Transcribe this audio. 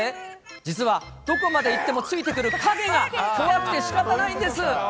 実はどこまで行ってもついてくる影が怖くてしかたないんです。